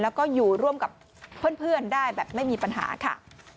แล้วก็อยู่ร่วมกับเพื่อนได้แบบไม่มีปัญหาค่ะ